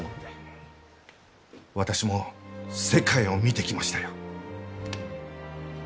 私も世界を見てきましたよ。